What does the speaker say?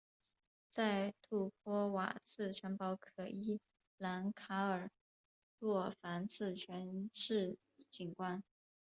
在杜波瓦茨城堡可一览卡尔洛瓦茨全市景观。